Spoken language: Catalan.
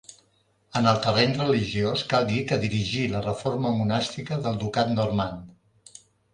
En el terreny religiós cal dir que dirigí la reforma monàstica del ducat normand.